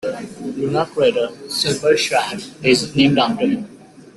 The lunar crater Silberschlag is named after him.